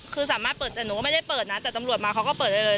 คือสามารถเปิดแต่หนูก็ไม่ได้เปิดนะแต่ตำรวจมาเขาก็เปิดได้เลย